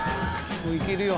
行けるよ